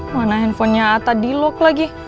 mana handphonenya atta di lok lagi